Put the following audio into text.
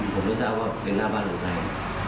ผมรู้สึกก็บอกว่าเป็นหน้าบ้านอะไร